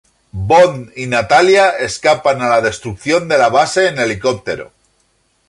Bond y Natalya escapan a la destrucción de la base en helicóptero.